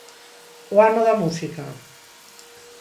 O Ano da Música?